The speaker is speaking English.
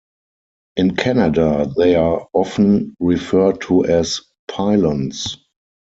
In Canada they are often referred to as pylons.